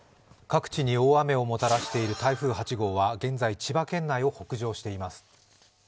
各地に大雨をもたらしている台風８号は現在、千葉県内を北上しています。